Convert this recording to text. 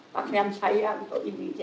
pernihan saya untuk ini